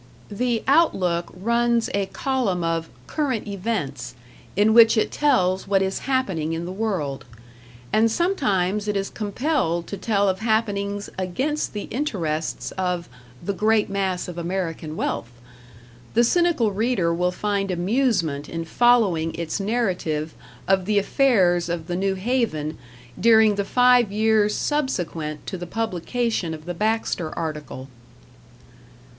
The "Outlook" runs a column of "current events" in which it tells what is happening in the world; and sometimes it is compelled to tell of happenings against the interests of "the great mass of American wealth". The cynical reader will find amusement in following its narrative of the affairs of the New Haven during the five years subsequent to the publication of the Baxter article.